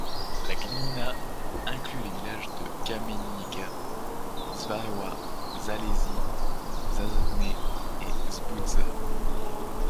La gmina inclut les villages de Kamienica, Szczawa, Zalesie, Zasadne et Zbludza.